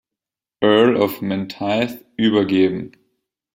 Earl of Menteith, übergeben.